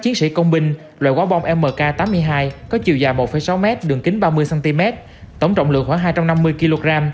chiến sĩ công binh loại quả bom mk tám mươi hai có chiều dài một sáu m đường kính ba mươi cm tổng trọng lượng khoảng hai trăm năm mươi kg